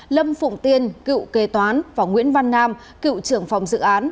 lâm phụng tiên cựu kê toán và nguyễn văn nam cựu trưởng phòng dự án